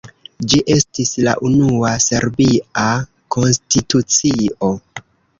Ĝi estis la unua serbia konstitucio.